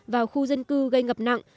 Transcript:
vào khu dân cư gây ngập nặng